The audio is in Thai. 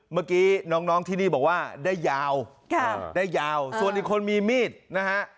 เมื่อกี้น้องที่นี่บอกว่าได้ยาวได้ยาวส่วนอีกคนมีมีดนะฮะ